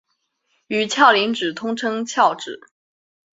与鞘磷脂通称鞘脂。